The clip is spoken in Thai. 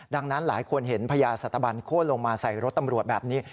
ดังนั้นหลายคนเห็นพญาสัตบันโค้นลงมาใส่รถตำรวจแบบนี้